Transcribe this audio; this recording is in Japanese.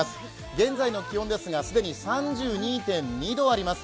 現在の気温ですが、既に３２．２度あります。